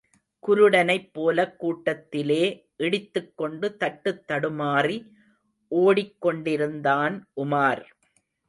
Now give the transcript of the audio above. குருடனைப் போலக் கூட்டத்திலே இடித்துக்கொண்டு தட்டுத் தடுமாறி ஓடிக் கொண்டிருந்தான் உமார்.